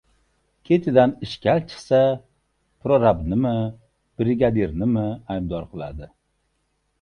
Ketidan ishkal chiqsa, prorabnimi, brigadimimi aybdor qiladi.